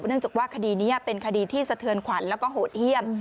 เนื่องจากว่าคดีนี้เป็นคดีที่สะเทือนขวัญแล้วก็โหดเยี่ยม